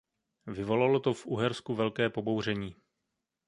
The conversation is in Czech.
Vyvolalo to v Uhersku velké pobouření.